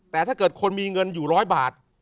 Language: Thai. แต่ถ้าเกิดคนมีเงินอยู่๑๐๐บาท